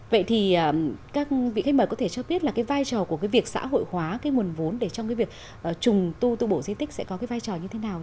vậy thì các vị khách mời có thể cho biết là cái vai trò của cái việc xã hội hóa cái nguồn vốn để trong cái việc trùng tu tu bổ di tích sẽ có cái vai trò như thế nào